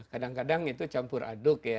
kadang kadang itu campur aduk ya